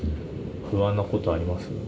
不安なことあります？